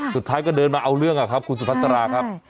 สุดท้ายก็เดินมาเอาเรื่องครับคุณสุภาษาครับ